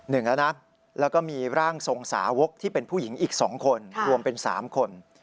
หนึ่งแล้วนะแล้วก็มีร่างทรงสาวกที่เป็นผู้หญิงอีกสองคนรวมเป็นสามคน